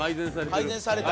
改善された。